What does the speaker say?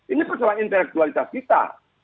ini persoalan intelektualitas kita